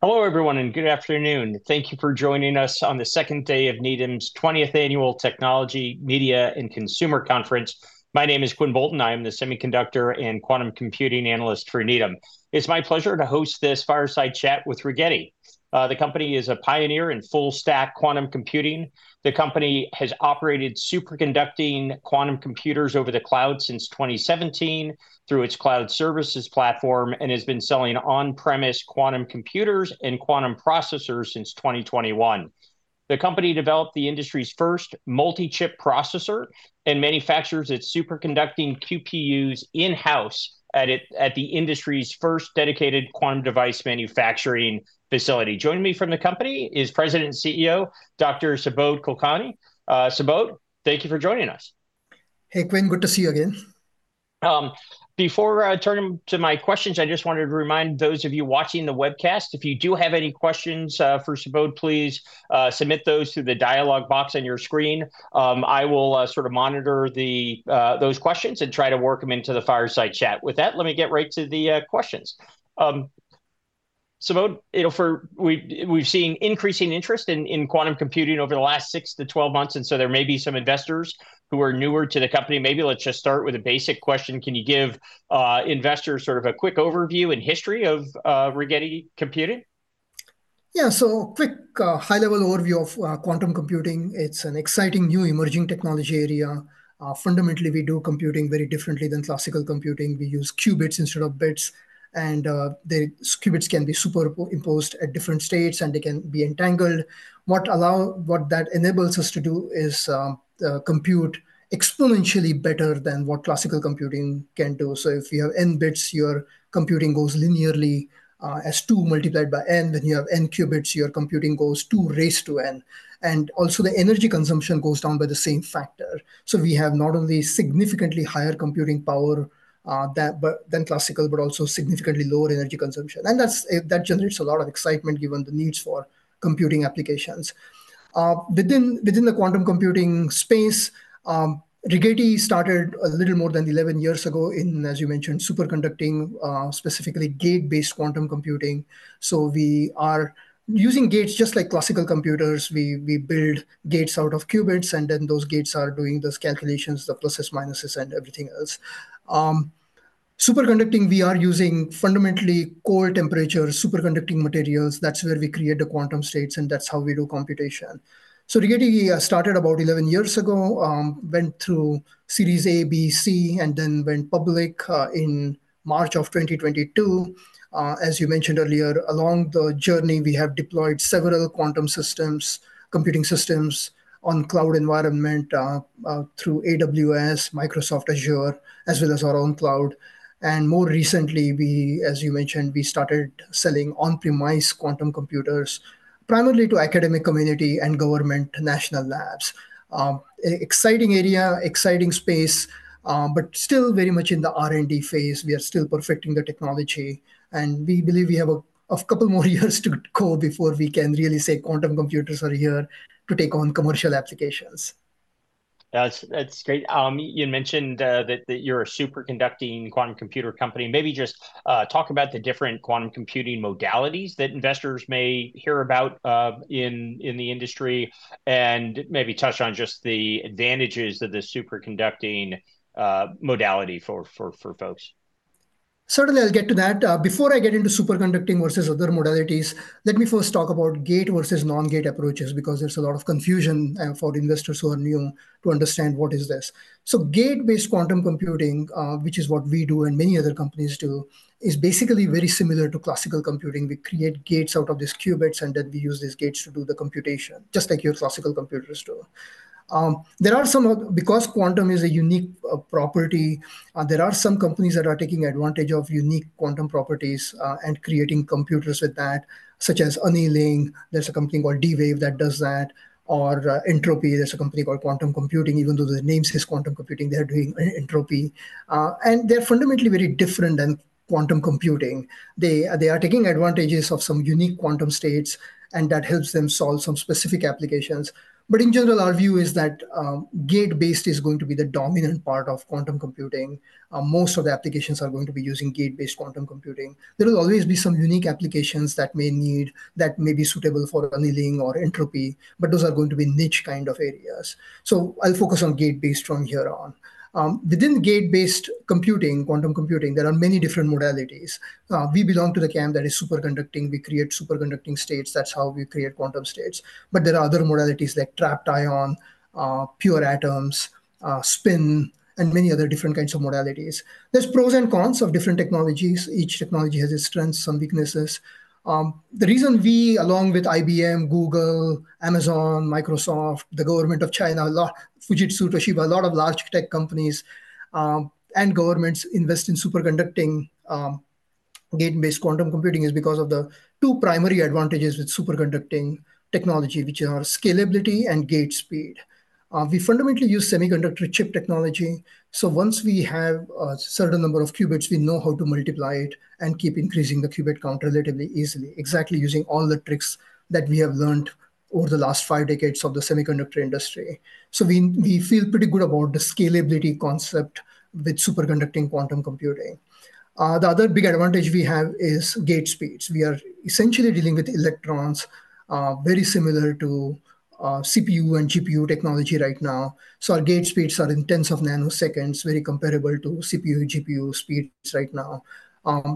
Hello, everyone, and good afternoon. Thank you for joining us on the second day of Needham's 20th Annual Technology, Media, and Consumer Conference. My name is Quinn Bolton. I am the Semiconductor and Quantum Computing Analyst for Needham. It's my pleasure to host this fireside chat with Rigetti. The company is a pioneer in full-stack quantum computing. The company has operated superconducting quantum computers over the cloud since 2017 through its cloud services platform and has been selling on-premise quantum computers and quantum processors since 2021. The company developed the industry's first multi-chip processor and manufactures its superconducting QPUs in-house at the industry's first dedicated quantum device manufacturing facility. Joining me from the company is President and CEO, Dr. Subodh Kulkarni. Subodh, thank you for joining us. Hey, Quinn. Good to see you again. Before I turn to my questions, I just wanted to remind those of you watching the webcast, if you do have any questions for Subodh, please submit those to the dialog box on your screen. I will sort of monitor those questions and try to work them into the fireside chat. With that, let me get right to the questions. Subodh, we've seen increasing interest in quantum computing over the last six to 12 months, and so there may be some investors who are newer to the company. Maybe let's just start with a basic question. Can you give investors sort of a quick overview and history of Rigetti Computing? Yeah, so quick high-level overview of quantum computing. It's an exciting new emerging technology area. Fundamentally, we do computing very differently than classical computing. We use qubits instead of bits, and the qubits can be superimposed at different states, and they can be entangled. What that enables us to do is compute exponentially better than what classical computing can do. If you have n bits, your computing goes linearly. As two multiplied by n, then you have n qubits, your computing goes two raised to n. Also, the energy consumption goes down by the same factor. We have not only significantly higher computing power than classical, but also significantly lower energy consumption. That generates a lot of excitement given the needs for computing applications. Within the quantum computing space, Rigetti started a little more than 11 years ago in, as you mentioned, superconducting, specifically gate-based quantum computing. We are using gates just like classical computers. We build gates out of qubits, and then those gates are doing those calculations, the pluses, minuses, and everything else. Superconducting, we are using fundamentally core temperature superconducting materials. That is where we create the quantum states, and that is how we do computation. Rigetti started about 11 years ago, went through series A, B, C, and then went public in March of 2022. As you mentioned earlier, along the journey, we have deployed several quantum systems, computing systems on cloud environment through AWS, Microsoft Azure, as well as our own cloud. More recently, as you mentioned, we started selling on-premise quantum computers primarily to the academic community and government national labs. Exciting area, exciting space, but still very much in the R&D phase. We are still perfecting the technology, and we believe we have a couple more years to go before we can really say quantum computers are here to take on commercial applications. That's great. You mentioned that you're a superconducting quantum computer company. Maybe just talk about the different quantum computing modalities that investors may hear about in the industry and maybe touch on just the advantages of the superconducting modality for folks. Certainly, I'll get to that. Before I get into superconducting versus other modalities, let me first talk about gate versus non-gate approaches because there's a lot of confusion for investors who are new to understand what is this. Gate-based quantum computing, which is what we do and many other companies do, is basically very similar to classical computing. We create gates out of these qubits, and then we use these gates to do the computation, just like your classical computers do. There are some, because quantum is a unique property, there are some companies that are taking advantage of unique quantum properties and creating computers with that, such as Unilink. There's a company called D-Wave that does that, or Entropy. There's a company called Quantum Computing Inc. Even though the name says quantum computing, they are doing Entropy. They are fundamentally very different than quantum computing. They are taking advantages of some unique quantum states, and that helps them solve some specific applications. In general, our view is that gate-based is going to be the dominant part of quantum computing. Most of the applications are going to be using gate-based quantum computing. There will always be some unique applications that may need, that may be suitable for Unilink or Entropy, but those are going to be niche kind of areas. I'll focus on gate-based from here on. Within gate-based computing, quantum computing, there are many different modalities. We belong to the camp that is superconducting. We create superconducting states. That's how we create quantum states. There are other modalities like trapped ion, pure atoms, spin, and many other different kinds of modalities. There's pros and cons of different technologies. Each technology has its strengths, some weaknesses. The reason we, along with IBM, Google, Amazon, Microsoft, the government of China, Fujitsu, Toshiba, a lot of large tech companies and governments invest in superconducting gate-based quantum computing is because of the two primary advantages with superconducting technology, which are scalability and gate speed. We fundamentally use semiconductor chip technology. Once we have a certain number of qubits, we know how to multiply it and keep increasing the qubit count relatively easily, exactly using all the tricks that we have learned over the last five decades of the semiconductor industry. We feel pretty good about the scalability concept with superconducting quantum computing. The other big advantage we have is gate speeds. We are essentially dealing with electrons, very similar to CPU and GPU technology right now. Our gate speeds are in tens of nanoseconds, very comparable to CPU and GPU speeds right now.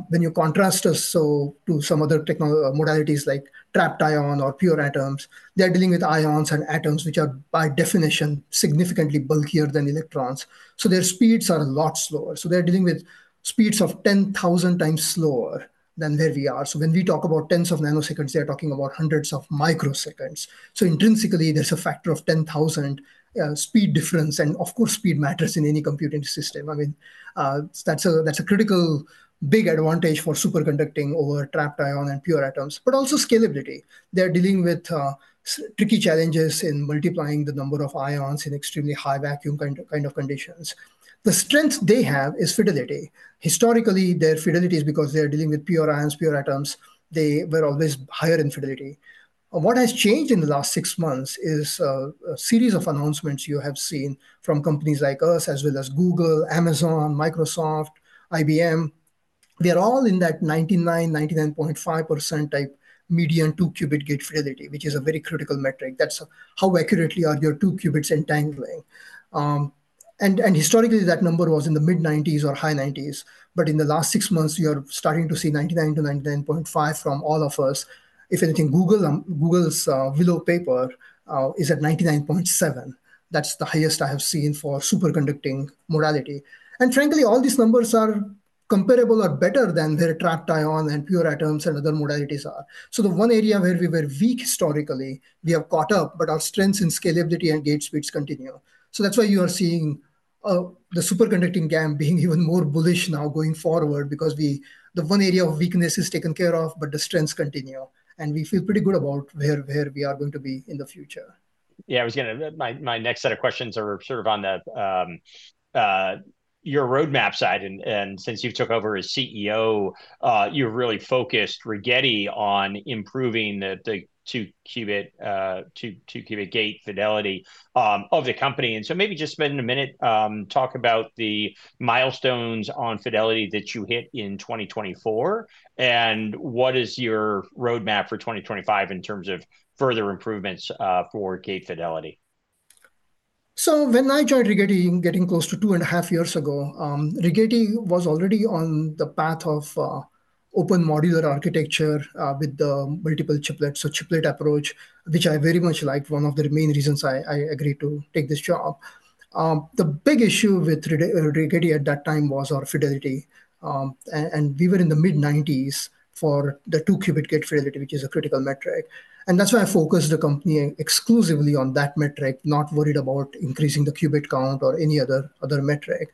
When you contrast us to some other modalities like trapped ion or pure atoms, they're dealing with ions and atoms, which are by definition significantly bulkier than electrons. Their speeds are a lot slower. They're dealing with speeds of 10,000 times slower than where we are. When we talk about tens of nanoseconds, they're talking about hundreds of microseconds. Intrinsically, there's a factor of 10,000 speed difference. Of course, speed matters in any computing system. I mean, that's a critical big advantage for superconducting over trapped ion and pure atoms, but also scalability. They're dealing with tricky challenges in multiplying the number of ions in extremely high vacuum kind of conditions. The strength they have is fidelity. Historically, their fidelity is because they are dealing with pure ions, pure atoms. They were always higher in fidelity. What has changed in the last six months is a series of announcements you have seen from companies like us, as well as Google, Amazon, Microsoft, IBM. They're all in that 99%, 99.5% type median two-qubit gate fidelity, which is a very critical metric. That's how accurately are your two qubits entangling. Historically, that number was in the mid-90s or high 90s. In the last six months, you are starting to see 99%-99.5% from all of us. If anything, Google's Willow paper is at 99.7%. That's the highest I have seen for superconducting modality. Frankly, all these numbers are comparable or better than their trapped ion and pure atoms and other modalities are. The one area where we were weak historically, we have caught up, but our strengths in scalability and gate speeds continue. That's why you are seeing the superconducting game being even more bullish now going forward because the one area of weakness is taken care of, but the strengths continue. We feel pretty good about where we are going to be in the future. Yeah, I was going to, my next set of questions are sort of on your roadmap side. Since you took over as CEO, you've really focused Rigetti on improving the two-qubit gate fidelity of the company. Maybe just spend a minute talking about the milestones on fidelity that you hit in 2024, and what is your roadmap for 2025 in terms of further improvements for gate fidelity? When I joined Rigetti, getting close to two and a half years ago, Rigetti was already on the path of open modular architecture with the multiple chiplets, so chiplet approach, which I very much liked, one of the main reasons I agreed to take this job. The big issue with Rigetti at that time was our fidelity. We were in the mid-90s for the two-qubit gate fidelity, which is a critical metric. That is why I focused the company exclusively on that metric, not worried about increasing the qubit count or any other metric.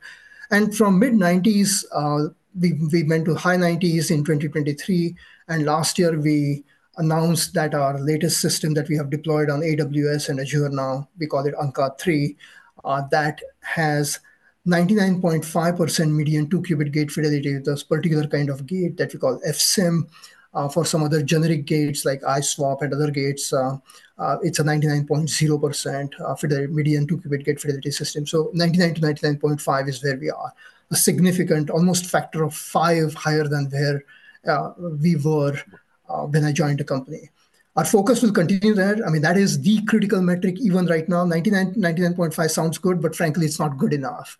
From mid-90s, we went to high 90s in 2023. Last year, we announced that our latest system that we have deployed on AWS and Azure now, we call it Ankaa-3, that has 99.5% median two-qubit gate fidelity with this particular kind of gate that we call FSIM. For some other generic gates like ISWAP and other gates, it is a 99.0% median two-qubit gate fidelity system. So 99%-99.5% is where we are, a significant almost factor of five higher than where we were when I joined the company. Our focus will continue there. I mean, that is the critical metric even right now. 99.5% sounds good, but frankly, it is not good enough.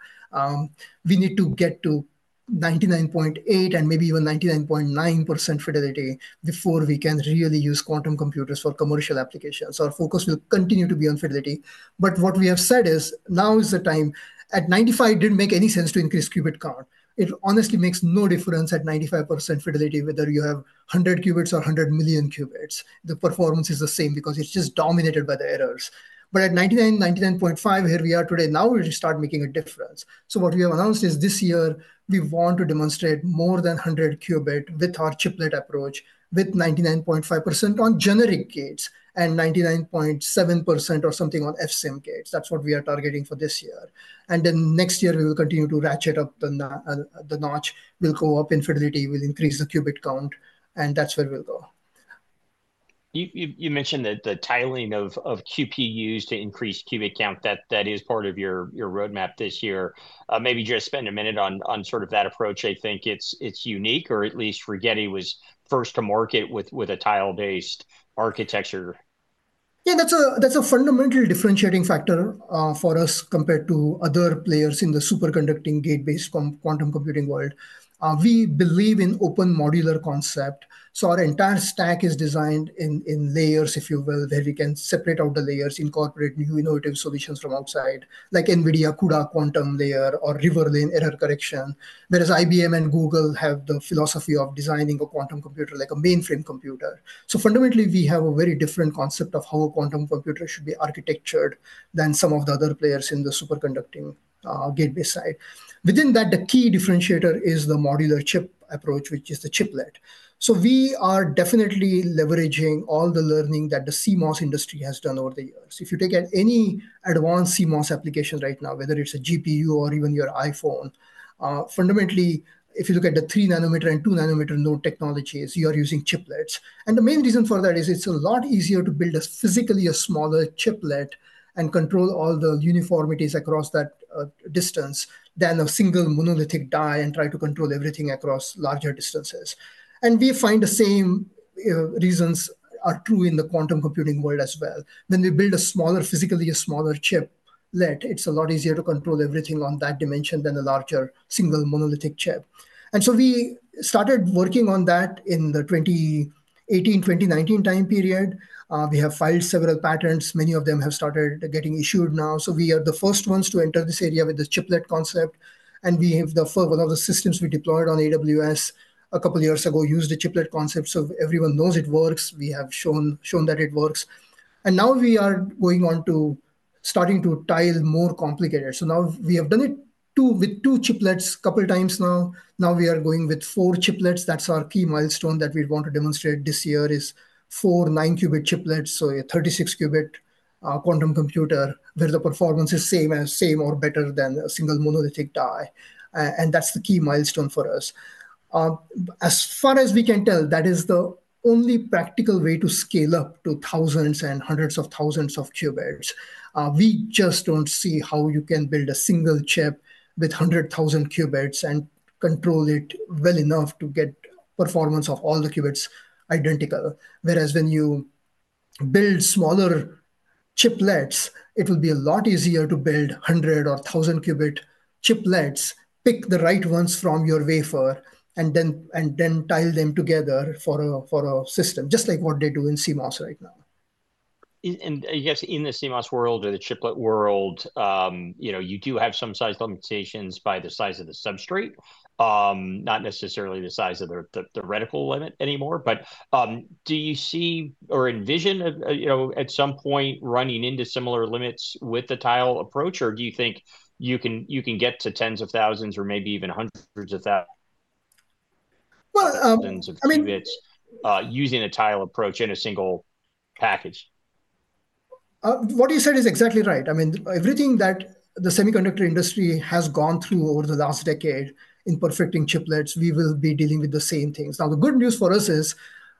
We need to get to 99.8% and maybe even 99.9% fidelity before we can really use quantum computers for commercial applications. Our focus will continue to be on fidelity. What we have said is now is the time. At 95%, it didn't make any sense to increase qubit count. It honestly makes no difference at 95% fidelity, whether you have 100 qubits or 100 million qubits. The performance is the same because it's just dominated by the errors. At 99%, 99.5%, here we are today. Now we start making a difference. What we have announced is this year, we want to demonstrate more than 100 qubits with our chiplet approach with 99.5% on generic gates and 99.7% or something on FSIM gates. That is what we are targeting for this year. Next year, we will continue to ratchet up the notch. We will go up in fidelity. We will increase the qubit count, and that is where we will go. You mentioned that the tiling of QPUs to increase qubit count, that is part of your roadmap this year. Maybe just spend a minute on sort of that approach. I think it's unique, or at least Rigetti was first to market with a tile-based architecture. Yeah, that's a fundamental differentiating factor for us compared to other players in the superconducting gate-based quantum computing world. We believe in open modular concept. So our entire stack is designed in layers, if you will, where we can separate out the layers, incorporate new innovative solutions from outside like NVIDIA CUDA quantum layer or Riverlane error correction, whereas IBM and Google have the philosophy of designing a quantum computer like a mainframe computer. Fundamentally, we have a very different concept of how a quantum computer should be architectured than some of the other players in the superconducting gate-based side. Within that, the key differentiator is the modular chip approach, which is the chiplet. We are definitely leveraging all the learning that the CMOS industry has done over the years. If you take any advanced CMOS application right now, whether it's a GPU or even your iPhone, fundamentally, if you look at the 3 nm and 2 nm node technologies, you are using chiplets. The main reason for that is it's a lot easier to build physically a smaller chiplet and control all the uniformities across that distance than a single monolithic die and try to control everything across larger distances. We find the same reasons are true in the quantum computing world as well. When we build a smaller, physically smaller chiplet, it's a lot easier to control everything on that dimension than a larger single monolithic chip. We started working on that in the 2018, 2019 time period. We have filed several patents. Many of them have started getting issued now. We are the first ones to enter this area with the chiplet concept. We have the first one of the systems we deployed on AWS a couple of years ago used the chiplet concept. Everyone knows it works. We have shown that it works. Now we are going on to starting to tile more complicated. We have done it with two chiplets a couple of times now. Now we are going with four chiplets. That is our key milestone that we want to demonstrate this year is four nine-qubit chiplets, so a 36-qubit quantum computer where the performance is same or better than a single monolithic die. That is the key milestone for us. As far as we can tell, that is the only practical way to scale up to thousands and hundreds of thousands of qubits. We just don't see how you can build a single chip with 100,000 qubits and control it well enough to get performance of all the qubits identical. Whereas when you build smaller chiplets, it will be a lot easier to build 100 or 1,000-qubit chiplets, pick the right ones from your wafer, and then tile them together for a system, just like what they do in CMOS right now. I guess in the CMOS world or the chiplet world, you do have some size limitations by the size of the substrate, not necessarily the size of the reticle limit anymore. Do you see or envision at some point running into similar limits with the tile approach, or do you think you can get to tens of thousands or maybe even hundreds of thousands? Well. Tens of qubits using a tile approach in a single package. What you said is exactly right. I mean, everything that the semiconductor industry has gone through over the last decade in perfecting chiplets, we will be dealing with the same things. Now, the good news for us is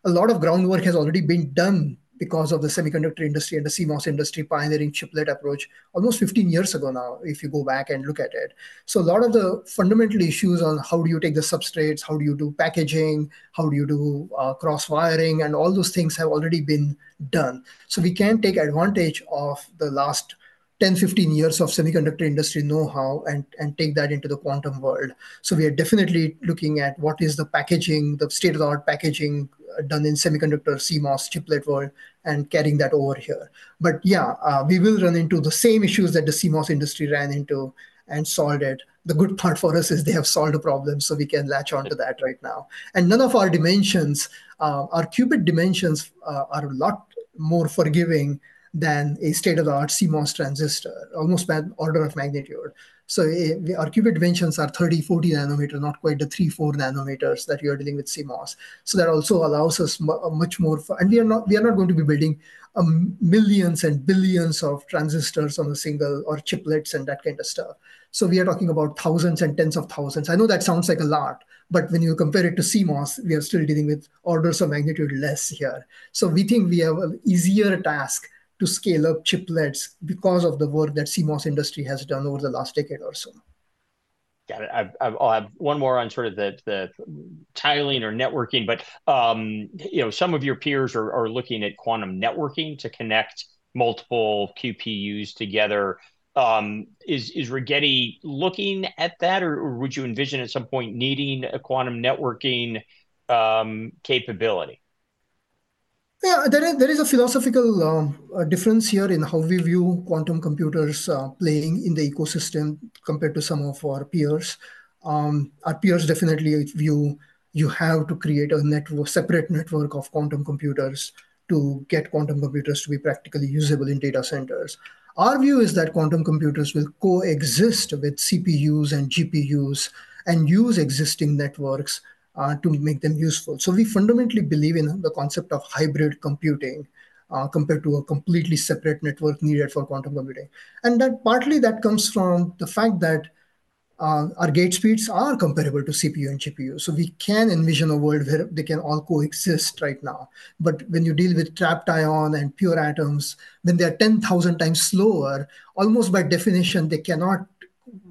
a lot of groundwork has already been done because of the semiconductor industry and the CMOS industry pioneering chiplet approach almost 15 years ago now, if you go back and look at it. A lot of the fundamental issues on how do you take the substrates, how do you do packaging, how do you do cross-wiring, and all those things have already been done. We can take advantage of the last 10 years-15 years of semiconductor industry know-how and take that into the quantum world. We are definitely looking at what is the packaging, the state-of-the-art packaging done in semiconductor CMOS chiplet world and carrying that over here. Yeah, we will run into the same issues that the CMOS industry ran into and solved it. The good part for us is they have solved the problem, so we can latch on to that right now. None of our dimensions, our qubit dimensions are a lot more forgiving than a state-of-the-art CMOS transistor, almost an order of magnitude. Our qubit dimensions are 30 nm, 40 nm, not quite the 3 nm, 4 nm that you are dealing with in CMOS. That also allows us much more. We are not going to be building millions and billions of transistors on a single chip or chiplets and that kind of stuff. We are talking about thousands and tens of thousands. I know that sounds like a lot, but when you compare it to CMOS, we are still dealing with orders of magnitude less here. We think we have an easier task to scale up chiplets because of the work that CMOS industry has done over the last decade or so. Got it. I'll have one more on sort of the tiling or networking. Some of your peers are looking at quantum networking to connect multiple QPUs together. Is Rigetti looking at that, or would you envision at some point needing a quantum networking capability? Yeah, there is a philosophical difference here in how we view quantum computers playing in the ecosystem compared to some of our peers. Our peers definitely view you have to create a separate network of quantum computers to get quantum computers to be practically usable in data centers. Our view is that quantum computers will coexist with CPUs and GPUs and use existing networks to make them useful. We fundamentally believe in the concept of hybrid computing compared to a completely separate network needed for quantum computing. Partly that comes from the fact that our gate speeds are comparable to CPU and GPU. We can envision a world where they can all coexist right now. When you deal with trapped ion and pure atoms, then they are 10,000 times slower. Almost by definition, they cannot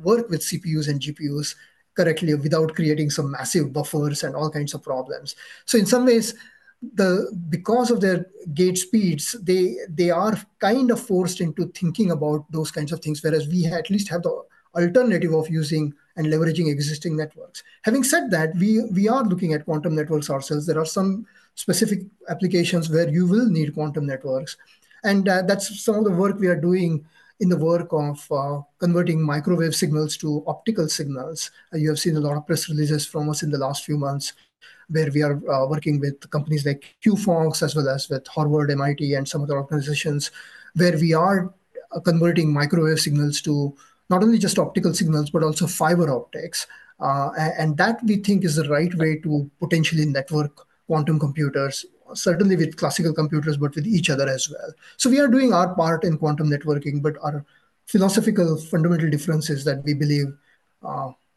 work with CPUs and GPUs correctly without creating some massive buffers and all kinds of problems. In some ways, because of their gate speeds, they are kind of forced into thinking about those kinds of things, whereas we at least have the alternative of using and leveraging existing networks. Having said that, we are looking at quantum networks ourselves. There are some specific applications where you will need quantum networks. That is some of the work we are doing in the work of converting microwave signals to optical signals. You have seen a lot of press releases from us in the last few months where we are working with companies like QFOX as well as with Harvard, MIT, and some other organizations where we are converting microwave signals to not only just optical signals, but also fiber optics. We think that is the right way to potentially network quantum computers, certainly with classical computers, but with each other as well. We are doing our part in quantum networking, but our philosophical fundamental difference is that we believe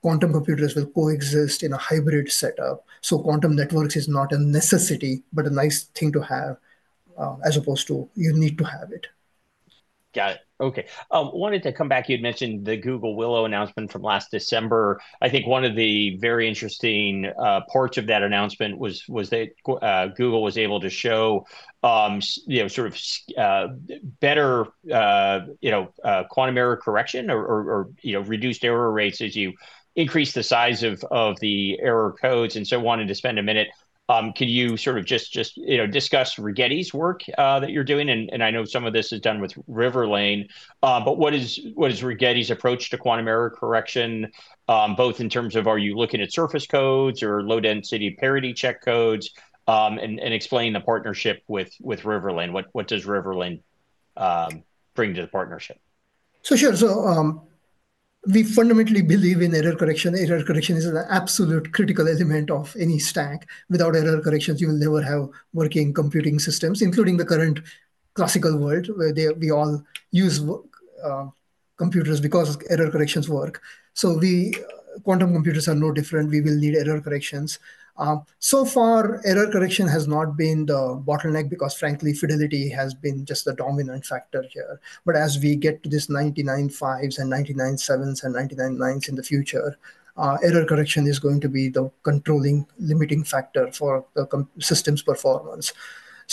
quantum computers will coexist in a hybrid setup. Quantum networks is not a necessity, but a nice thing to have as opposed to you need to have it. Got it. Okay. I wanted to come back. You had mentioned the Google Willow announcement from last December. I think one of the very interesting parts of that announcement was that Google was able to show sort of better quantum error correction or reduced error rates as you increase the size of the error codes. I wanted to spend a minute. Can you sort of just discuss Rigetti's work that you're doing? I know some of this is done with Riverlane. What is Rigetti's approach to quantum error correction, both in terms of are you looking at surface codes or low-density parity check codes and explain the partnership with Riverlane? What does Riverlane bring to the partnership? Sure. We fundamentally believe in error correction. Error correction is an absolute critical element of any stack. Without error correction, you will never have working computing systems, including the current classical world where we all use computers because error correction works. Quantum computers are no different. We will need error correction. So far, error correction has not been the bottleneck because, frankly, fidelity has been just the dominant factor here. As we get to this 99.5s and 99.7s and 99.9s in the future, error correction is going to be the controlling limiting factor for the system's performance.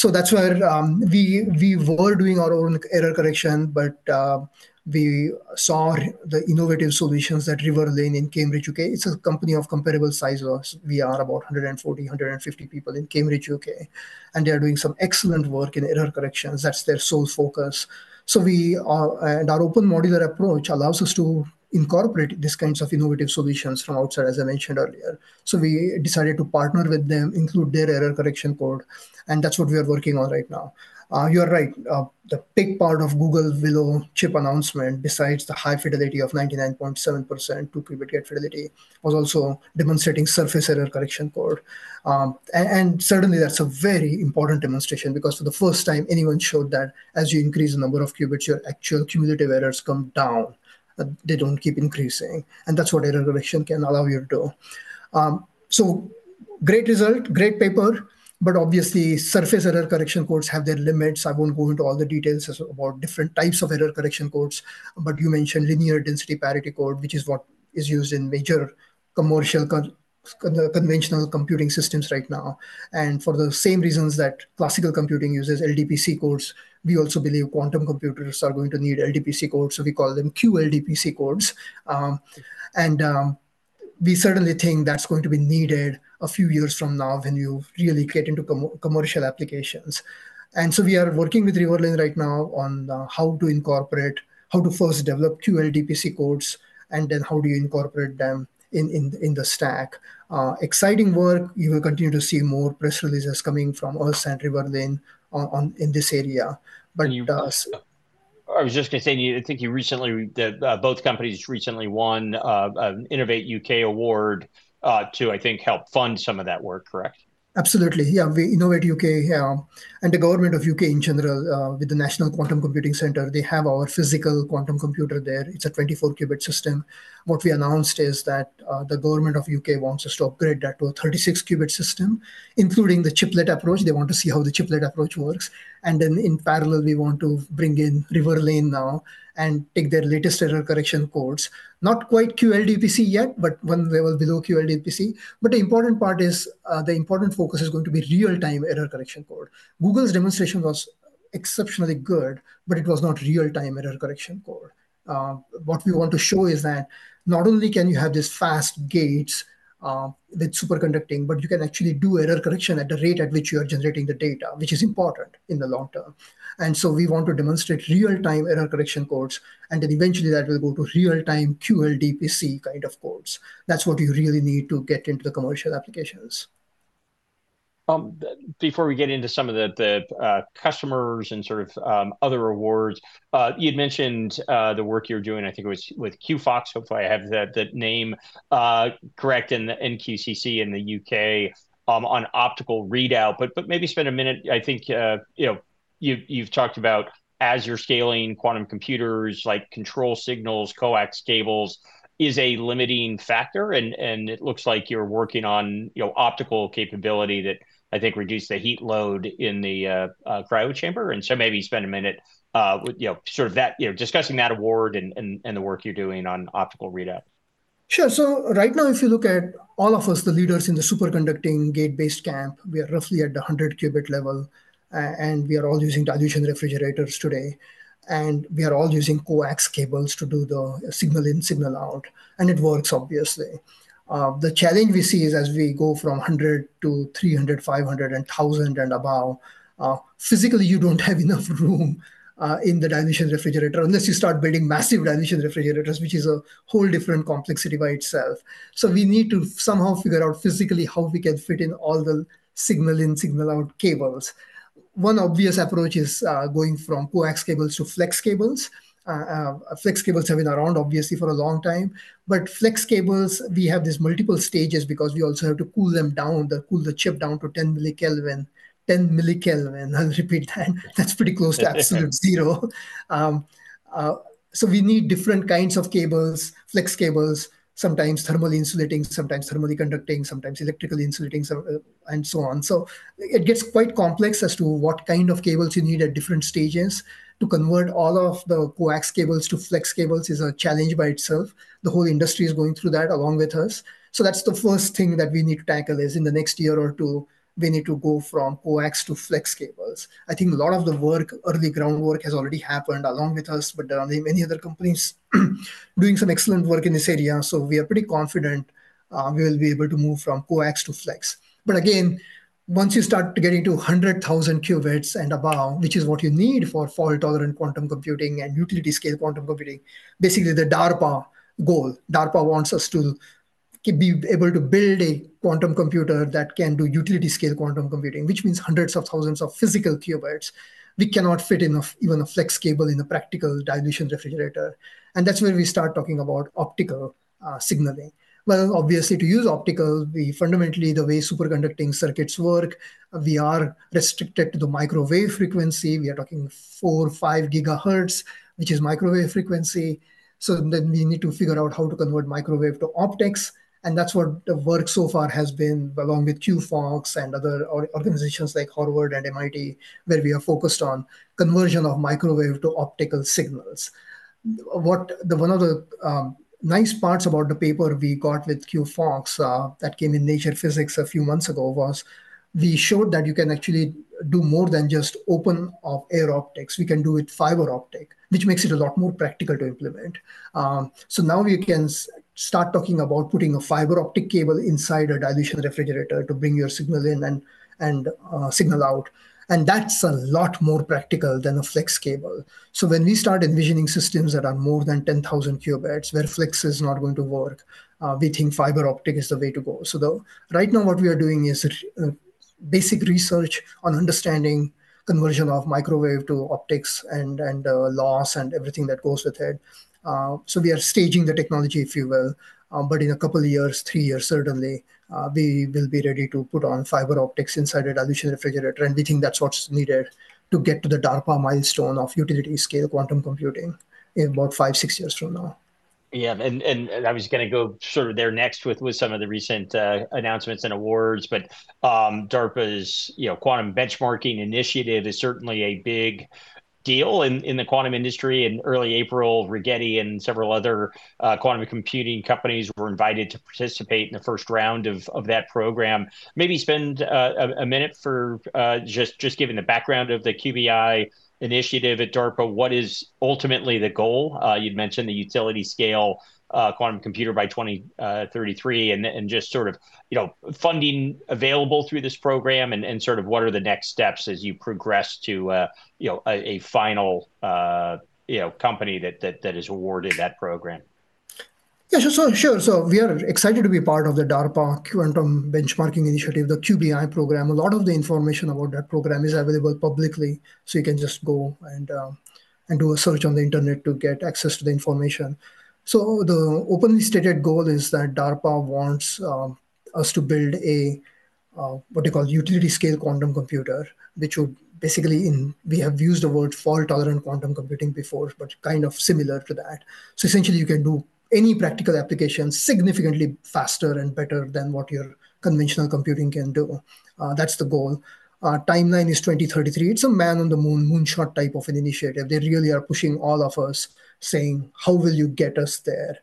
That is where we were doing our own error correction, but we saw the innovative solutions that Riverlane in Cambridge, U.K., it is a company of comparable size. We are about 140, 150 people in Cambridge, U.K. They are doing some excellent work in error correction. That's their sole focus. Our open modular approach allows us to incorporate these kinds of innovative solutions from outside, as I mentioned earlier. We decided to partner with them, include their error correction code. That's what we are working on right now. You're right. The big part of Google Willow chip announcement, besides the high fidelity of 99.7% two-qubit gate fidelity, was also demonstrating surface error correction code. Certainly, that's a very important demonstration because for the first time, anyone showed that as you increase the number of qubits, your actual cumulative errors come down. They don't keep increasing. That's what error correction can allow you to do. Great result, great paper. Obviously, surface error correction codes have their limits. I won't go into all the details about different types of error correction codes. You mentioned linear density parity code, which is what is used in major commercial conventional computing systems right now. For the same reasons that classical computing uses LDPC codes, we also believe quantum computers are going to need LDPC codes. We call them QLDPC codes. We certainly think that is going to be needed a few years from now when you really get into commercial applications. We are working with Riverlane right now on how to incorporate, how to first develop QLDPC codes, and then how do you incorporate them in the stack. Exciting work. You will continue to see more press releases coming from us and Riverlane in this area. I was just going to say, I think you recently, both companies recently won an Innovate U.K. award to, I think, help fund some of that work, correct? Absolutely. Yeah, Innovate U.K. and the government of the U.K. in general with the National Quantum Computing Centre, they have our physical quantum computer there. It's a 24-qubit system. What we announced is that the government of the U.K. wants us to upgrade that to a 36-qubit system, including the chiplet approach. They want to see how the chiplet approach works. In parallel, we want to bring in Riverlane now and take their latest error correction codes. Not quite QLDPC yet, but one level below QLDPC. The important part is the important focus is going to be real-time error correction code. Google's demonstration was exceptionally good, but it was not real-time error correction code. What we want to show is that not only can you have these fast gates with superconducting, but you can actually do error correction at the rate at which you are generating the data, which is important in the long term. We want to demonstrate real-time error correction codes. Eventually, that will go to real-time QLDPC kind of codes. That is what you really need to get into the commercial applications. Before we get into some of the customers and sort of other awards, you had mentioned the work you're doing, I think it was with QFOX. Hopefully, I have that name correct in the NQCC in the U.K. on optical readout. Maybe spend a minute. I think you've talked about as you're scaling quantum computers, like control signals, coax cables is a limiting factor. It looks like you're working on optical capability that I think reduced the heat load in the cryo chamber. Maybe spend a minute sort of discussing that award and the work you're doing on optical readout. Sure. Right now, if you look at all of us, the leaders in the superconducting gate-based camp, we are roughly at the 100-qubit level. We are all using dilution refrigerators today. We are all using coax cables to do the signal in, signal out. It works, obviously. The challenge we see is as we go from 100 to 300, 500, and 1,000 and above, physically, you do not have enough room in the dilution refrigerator unless you start building massive dilution refrigerators, which is a whole different complexity by itself. We need to somehow figure out physically how we can fit in all the signal in, signal out cables. One obvious approach is going from coax cables to flex cables. Flex cables have been around, obviously, for a long time. Flex cables, we have these multiple stages because we also have to cool them down, cool the chip down to 10 mK, 10 mK. I'll repeat that. That's pretty close to absolute zero. We need different kinds of cables, flex cables, sometimes thermally insulating, sometimes thermally conducting, sometimes electrically insulating, and so on. It gets quite complex as to what kind of cables you need at different stages. To convert all of the coax cables to flex cables is a challenge by itself. The whole industry is going through that along with us. The first thing that we need to tackle is in the next year or two, we need to go from coax to flex cables. I think a lot of the work, early groundwork has already happened along with us, but there are many other companies doing some excellent work in this area. We are pretty confident we will be able to move from coax to flex. Again, once you start getting to 100,000 qubits and above, which is what you need for fault-tolerant quantum computing and utility-scale quantum computing, basically the DARPA goal, DARPA wants us to be able to build a quantum computer that can do utility-scale quantum computing, which means hundreds of thousands of physical qubits. We cannot fit in even a flex cable in a practical dilution refrigerator. That is where we start talking about optical signaling. Obviously, to use optical, fundamentally, the way superconducting circuits work, we are restricted to the microwave frequency. We are talking 4 GHz or 5 GHz, which is microwave frequency. We need to figure out how to convert microwave to optics. That is what the work so far has been along with QFOX and other organizations like Harvard and MIT, where we are focused on conversion of microwave to optical signals. One of the nice parts about the paper we got with QFOX that came in Nature Physics a few months ago was we showed that you can actually do more than just open air optics. We can do it fiber optic, which makes it a lot more practical to implement. Now we can start talking about putting a fiber optic cable inside a dilution refrigerator to bring your signal in and signal out. That is a lot more practical than a flex cable. When we start envisioning systems that are more than 10,000 qubits, where flex is not going to work, we think fiber optic is the way to go. Right now, what we are doing is basic research on understanding conversion of microwave to optics and loss and everything that goes with it. We are staging the technology, if you will. In a couple of years, three years, certainly, we will be ready to put on fiber optics inside a dilution refrigerator. We think that's what's needed to get to the DARPA milestone of utility-scale quantum computing in about five, six years from now. Yeah. I was going to go sort of there next with some of the recent announcements and awards. DARPA's Quantum Benchmarking Initiative is certainly a big deal in the quantum industry. In early April, Rigetti and several other quantum computing companies were invited to participate in the first round of that program. Maybe spend a minute just giving the background of the QBI initiative at DARPA. What is ultimately the goal? You'd mentioned the utility-scale quantum computer by 2033 and just sort of funding available through this program. What are the next steps as you progress to a final company that is awarded that program? Yeah, sure. We are excited to be part of the DARPA Quantum Benchmarking Initiative, the QBI program. A lot of the information about that program is available publicly. You can just go and do a search on the internet to get access to the information. The openly stated goal is that DARPA wants us to build what they call a utility-scale quantum computer, which would basically, we have used the word fault-tolerant quantum computing before, but kind of similar to that. Essentially, you can do any practical application significantly faster and better than what your conventional computing can do. That's the goal. Timeline is 2033. It's a man on the moon, moonshot type of an initiative. They really are pushing all of us, saying, how will you get us there?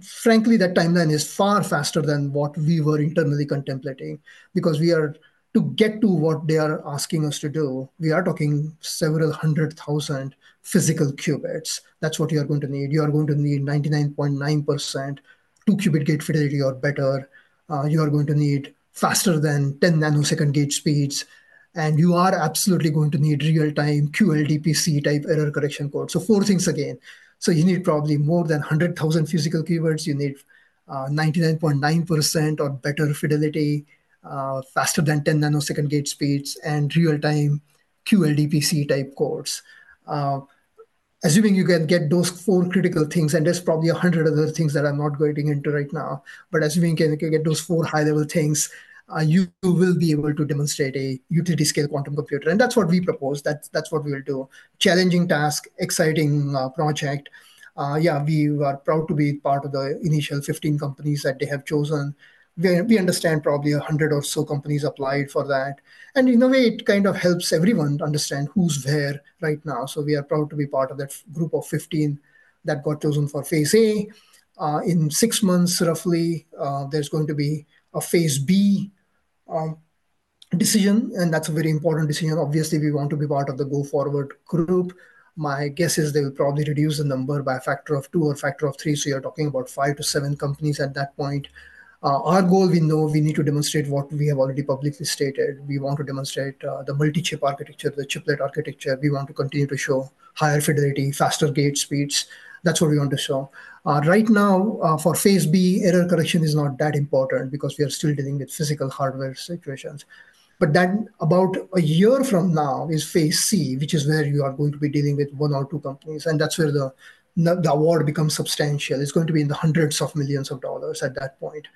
Frankly, that timeline is far faster than what we were internally contemplating because to get to what they are asking us to do, we are talking several hundred thousand physical qubits. That is what you are going to need. You are going to need 99.9% two-qubit gate fidelity or better. You are going to need faster than 10 ns gate speeds. You are absolutely going to need real-time QLDPC type error correction code. Four things again. You need probably more than 100,000 physical qubits. You need 99.9% or better fidelity, faster than 10 ns gate speeds, and real-time QLDPC type codes. Assuming you can get those four critical things, and there are probably 100 other things that I am not going into right now. Assuming you can get those four high-level things, you will be able to demonstrate a utility-scale quantum computer. That is what we propose. That is what we will do. Challenging task, exciting project. Yeah, we are proud to be part of the initial 15 companies that they have chosen. We understand probably 100 or so companies applied for that. In a way, it kind of helps everyone understand who's where right now. We are proud to be part of that group of 15 that got chosen for phase A. In six months, roughly, there is going to be a phase B decision. That is a very important decision. Obviously, we want to be part of the Go Forward group. My guess is they will probably reduce the number by a factor of two or a factor of three. You are talking about five to seven companies at that point. Our goal, we know we need to demonstrate what we have already publicly stated. We want to demonstrate the multi-chip architecture, the chiplet architecture. We want to continue to show higher fidelity, faster gate speeds. That's what we want to show. Right now, for phase B, error correction is not that important because we are still dealing with physical hardware situations. About a year from now is phase C, which is where you are going to be dealing with one or two companies. That is where the award becomes substantial. It is going to be in the hundreds of millions of dollars at that point.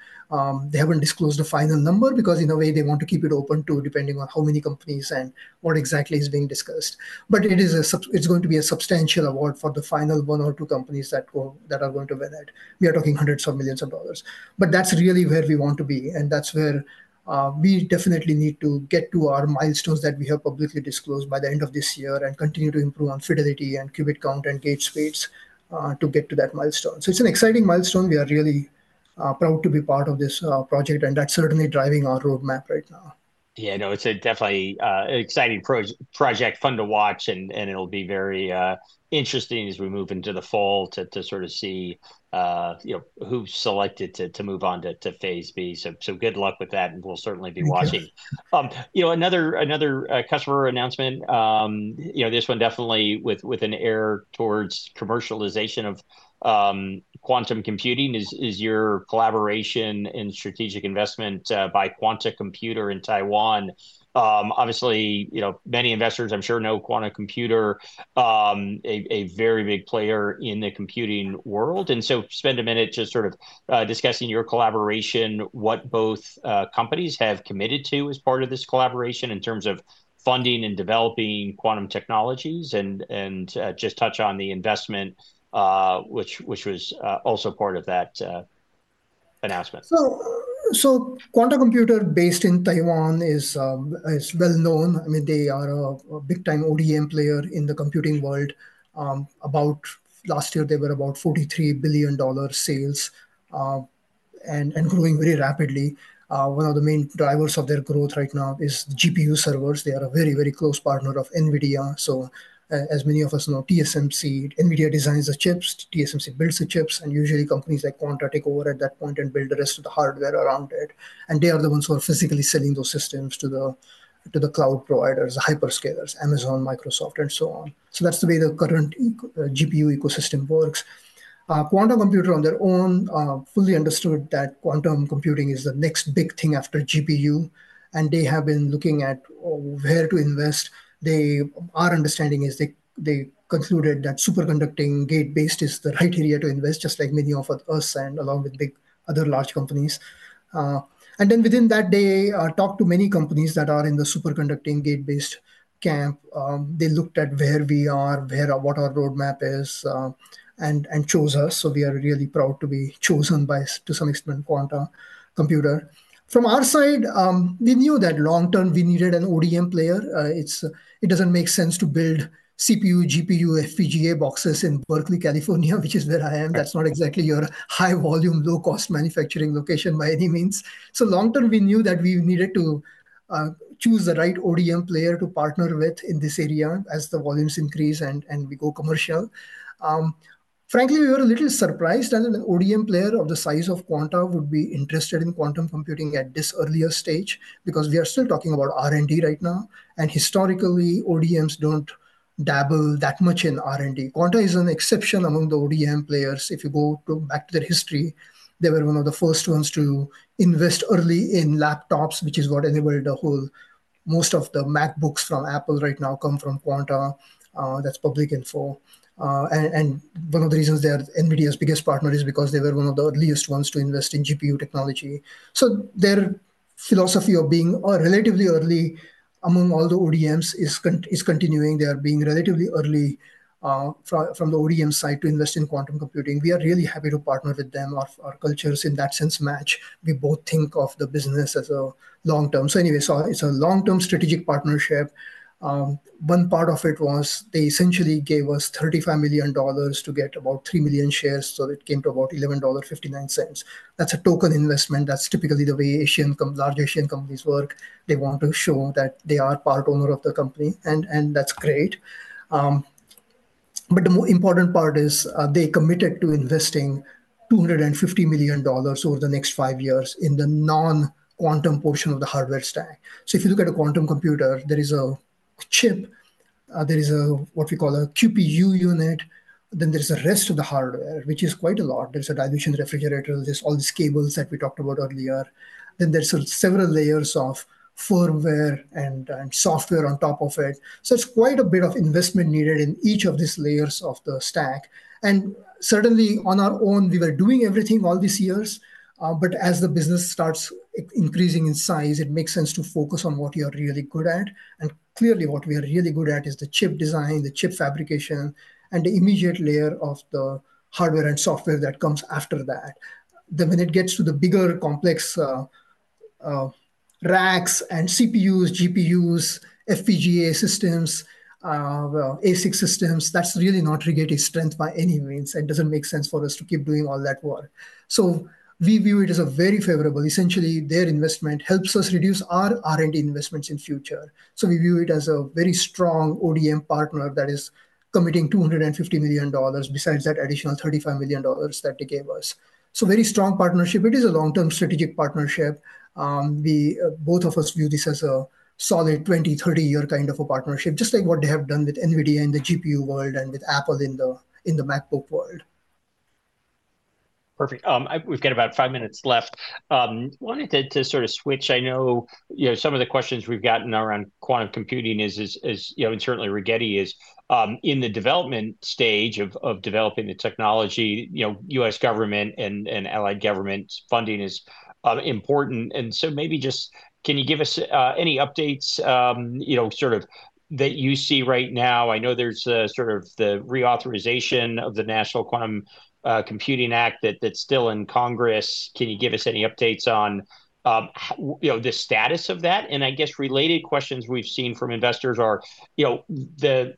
They have not disclosed the final number because in a way, they want to keep it open depending on how many companies and what exactly is being discussed. It is going to be a substantial award for the final one or two companies that are going to win it. We are talking hundreds of millions of dollars. That is really where we want to be. That is where we definitely need to get to our milestones that we have publicly disclosed by the end of this year and continue to improve on fidelity and qubit count and gate speeds to get to that milestone. It is an exciting milestone. We are really proud to be part of this project. That is certainly driving our roadmap right now. Yeah, no, it's definitely an exciting project, fun to watch. It'll be very interesting as we move into the fall to sort of see who's selected to move on to phase B. Good luck with that. We'll certainly be watching. Another customer announcement, this one definitely with an air towards commercialization of quantum computing, is your collaboration and strategic investment by Quanta Computer in Taiwan. Obviously, many investors, I'm sure, know Quanta Computer, a very big player in the computing world. Spend a minute just sort of discussing your collaboration, what both companies have committed to as part of this collaboration in terms of funding and developing quantum technologies, and just touch on the investment, which was also part of that announcement. Quanta Computer based in Taiwan is well known. I mean, they are a big-time ODM player in the computing world. Last year, they were about $43 billion sales and growing very rapidly. One of the main drivers of their growth right now is GPU servers. They are a very, very close partner of NVIDIA. As many of us know, TSMC, NVIDIA designs the chips. TSMC builds the chips. Usually, companies like Quanta take over at that point and build the rest of the hardware around it. They are the ones who are physically selling those systems to the cloud providers, the hyperscalers, Amazon, Microsoft, and so on. That is the way the current GPU ecosystem works. Quanta Computer on their own fully understood that quantum computing is the next big thing after GPU. They have been looking at where to invest. Our understanding is they concluded that superconducting gate-based is the right area to invest, just like many of us and along with other large companies. Within that, they talked to many companies that are in the superconducting gate-based camp. They looked at where we are, what our roadmap is, and chose us. We are really proud to be chosen by, to some extent, Quanta Computer. From our side, we knew that long-term, we needed an ODM player. It does not make sense to build CPU, GPU, FPGA boxes in Berkeley, California, which is where I am. That is not exactly your high-volume, low-cost manufacturing location by any means. Long-term, we knew that we needed to choose the right ODM player to partner with in this area as the volumes increase and we go commercial. Frankly, we were a little surprised that an ODM player of the size of Quanta would be interested in quantum computing at this earlier stage because we are still talking about R&D right now. Historically, ODMs do not dabble that much in R&D. Quanta is an exception among the ODM players. If you go back to their history, they were one of the first ones to invest early in laptops, which is what enabled the whole most of the MacBooks from Apple right now come from Quanta. That is public info. One of the reasons they are NVIDIA's biggest partner is because they were one of the earliest ones to invest in GPU technology. Their philosophy of being relatively early among all the ODMs is continuing. They are being relatively early from the ODM side to invest in quantum computing. We are really happy to partner with them. Our cultures in that sense match. We both think of the business as a long-term. Anyway, it's a long-term strategic partnership. One part of it was they essentially gave us $35 million to get about 3 million shares. It came to about $11.59. That's a token investment. That's typically the way large Asian companies work. They want to show that they are part owner of the company. That's great. The more important part is they committed to investing $250 million over the next five years in the non-quantum portion of the hardware stack. If you look at a quantum computer, there is a chip. There is what we call a QPU unit. Then there's the rest of the hardware, which is quite a lot. There's a dilution refrigerator. There are all these cables that we talked about earlier. There are several layers of firmware and software on top of it. It is quite a bit of investment needed in each of these layers of the stack. Certainly, on our own, we were doing everything all these years. As the business starts increasing in size, it makes sense to focus on what you are really good at. Clearly, what we are really good at is the chip design, the chip fabrication, and the immediate layer of the hardware and software that comes after that. When it gets to the bigger complex racks and CPUs, GPUs, FPGA systems, ASIC systems, that is really not Rigetti's strength by any means. It does not make sense for us to keep doing all that work. We view it as very favorable. Essentially, their investment helps us reduce our R&D investments in the future. We view it as a very strong ODM partner that is committing $250 million besides that additional $35 million that they gave us. Very strong partnership. It is a long-term strategic partnership. Both of us view this as a solid 20, 30-year kind of a partnership, just like what they have done with NVIDIA in the GPU world and with Apple in the MacBook world. Perfect. We've got about five minutes left. Wanted to sort of switch. I know some of the questions we've gotten around quantum computing is, and certainly Rigetti is in the development stage of developing the technology. U.S. government and allied government funding is important. Maybe just can you give us any updates sort of that you see right now? I know there's sort of the reauthorization of the National Quantum Computing Act that's still in Congress. Can you give us any updates on the status of that? I guess related questions we've seen from investors are, the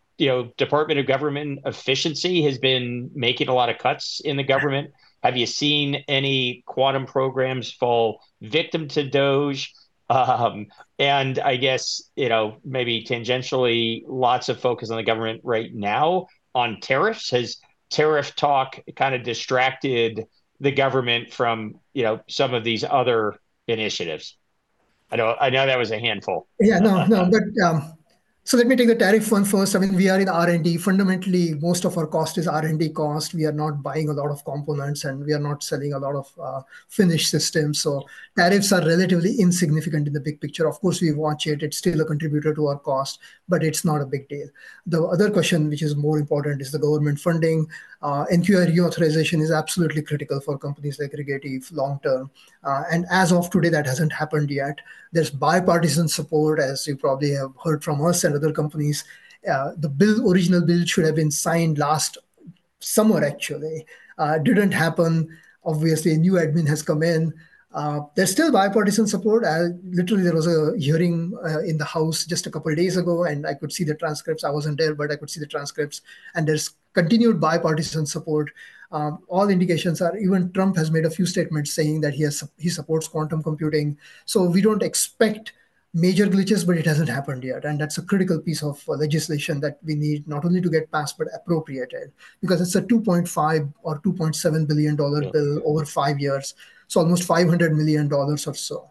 Department of Government efficiency has been making a lot of cuts in the government. Have you seen any quantum programs fall victim to DOGE? I guess maybe tangentially, lots of focus on the government right now on tariffs. Has tariff talk kind of distracted the government from some of these other initiatives? I know that was a handful. Yeah, no, no. Let me take the tariff one first. I mean, we are in R&D. Fundamentally, most of our cost is R&D cost. We are not buying a lot of components, and we are not selling a lot of finished systems. Tariffs are relatively insignificant in the big picture. Of course, we watch it. It's still a contributor to our cost, but it's not a big deal. The other question, which is more important, is the government funding. NQRE authorization is absolutely critical for companies like Rigetti long-term. As of today, that hasn't happened yet. There's bipartisan support, as you probably have heard from us and other companies. The original bill should have been signed last summer, actually. Didn't happen. Obviously, a new admin has come in. There's still bipartisan support. Literally, there was a hearing in the House just a couple of days ago, and I could see the transcripts. I wasn't there, but I could see the transcripts. And there's continued bipartisan support. All indications are even Trump has made a few statements saying that he supports quantum computing. We don't expect major glitches, but it hasn't happened yet. That's a critical piece of legislation that we need not only to get passed but appropriated because it's a $2.5 billion or $2.7 billion bill over five years. It's almost $500 million or so.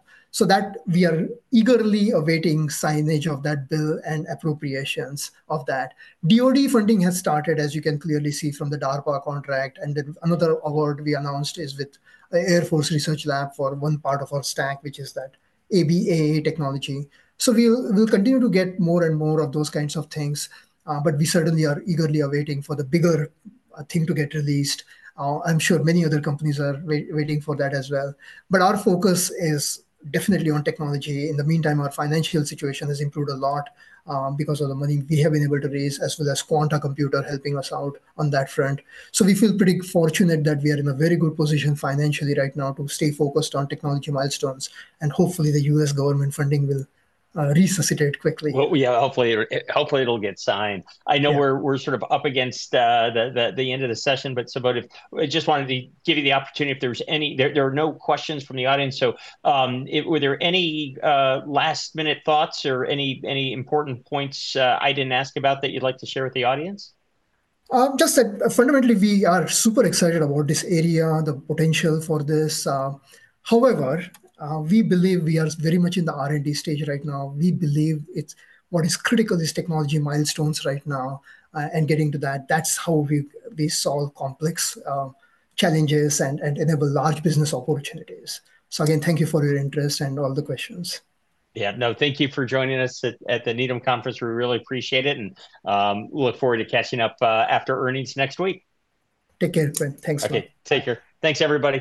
We are eagerly awaiting signage of that bill and appropriations of that. DOD funding has started, as you can clearly see from the DARPA contract. Another award we announced is with the Air Force Research Lab for one part of our stack, which is that ABA technology. We'll continue to get more and more of those kinds of things. We certainly are eagerly awaiting for the bigger thing to get released. I'm sure many other companies are waiting for that as well. Our focus is definitely on technology. In the meantime, our financial situation has improved a lot because of the money we have been able to raise, as well as Quanta Computer helping us out on that front. We feel pretty fortunate that we are in a very good position financially right now to stay focused on technology milestones. Hopefully, the U.S. government funding will resuscitate quickly. Yeah, hopefully, it'll get signed. I know we're sort of up against the end of the session, but I just wanted to give you the opportunity if there were no questions from the audience. Were there any last-minute thoughts or any important points I didn't ask about that you'd like to share with the audience? Just that fundamentally, we are super excited about this area, the potential for this. However, we believe we are very much in the R&D stage right now. We believe what is critical is technology milestones right now and getting to that. That is how we solve complex challenges and enable large business opportunities. Again, thank you for your interest and all the questions. Yeah, no, thank you for joining us at the Needham Conference. We really appreciate it and look forward to catching up after earnings next week. Take care, friend. Thanks for. Okay, take care. Thanks, everybody.